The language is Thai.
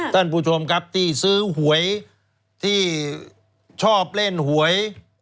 ท่านผู้ชมครับที่ซื้อหวยที่ชอบเล่นหวย